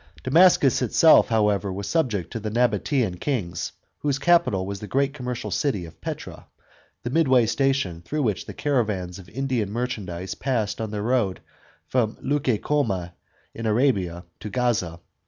Damascus itself, however, was subject to the Nabatean kings, whose capital was the great commercial city of Petra, the midway station through which the caravans of Indian merchandise passed on their road from Leuc^ Come* in Arabia, to Gaza.